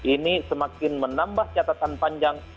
ini semakin menambah catatan panjang